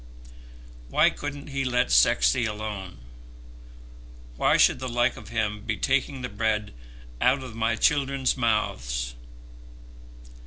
"Why couldn't he let Sexty alone? Why should the like of him be taking the bread out of my children's mouths?